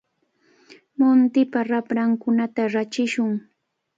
Muntipa raprankunata rachiytsu.